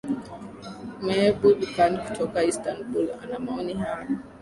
Mehbood Khan kutoka Istanbul ana maoni haya